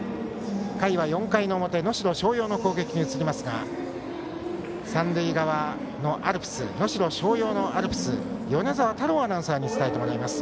回は４回の表能代松陽の攻撃に移りますが三塁側、能代松陽のアルプス米澤太郎アナウンサーに伝えてもらいます。